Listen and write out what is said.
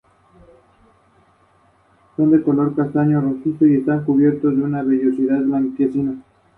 Muerte traiciona y detiene a Kang, y luego le exige el guantelete al Magus.